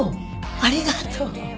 ありがとう。